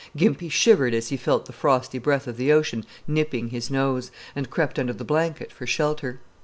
Gimpy shivered as he felt the frosty breath of the ocean nipping his nose, and crept under the blanket for shelter.